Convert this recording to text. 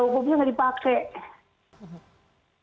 hukumnya nggak dipakai